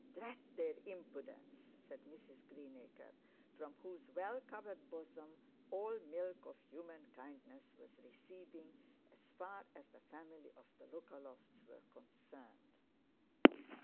'Drat their impudence' said Mrs Greenacre, from whose well covered bosom all milk of human kindness was receding, as far as the family of the Lookalofts were concerned.